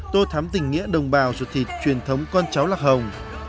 tô thắm tình nghĩa đồng bào ruột thịt truyền thống con cháu lạc hồng